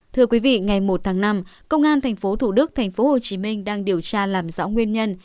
thưa quý vị ngày một tháng năm công an tp thủ đức tp hcm đang điều tra làm rõ nguyên nhân